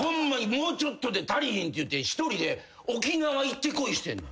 もうちょっとで足りへんって一人で沖縄行って来いしてんねん。